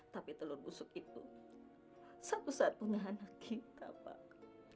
tapi telur busuk itu satu satunya anak kita pak